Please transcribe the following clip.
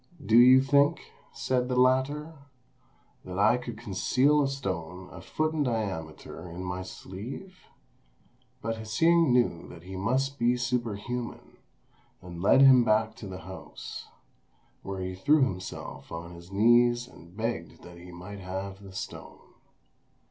"Do you think," said the latter, "that I could conceal a stone a foot in diameter in my sleeve?" But Hsing knew that he must be superhuman, and led him back to the house, where he threw himself on his knees and begged that he might have the stone.